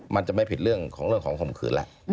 มันจะไม่ผิดเรื่องของเรื่องของข่มขืนแหละ